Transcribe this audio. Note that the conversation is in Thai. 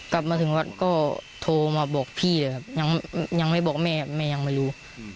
กลับมาถึงวัดก็โทรมาบอกพี่เลยครับยังไม่บอกแม่แม่ยังไม่รู้